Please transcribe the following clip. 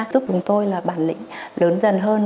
giúp chúng tôi là bản lĩnh lớn dần hơn